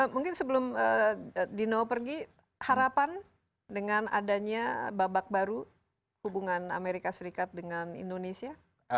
mungkin sebelum dino pergi harapan dengan adanya babak baru hubungan amerika serikat dengan indonesia